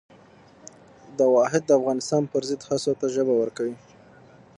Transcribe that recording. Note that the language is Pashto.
د واحد افغانستان پر ضد هڅو ته ژبه ورکوي.